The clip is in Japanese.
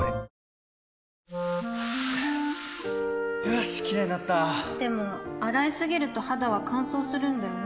よしキレイになったでも、洗いすぎると肌は乾燥するんだよね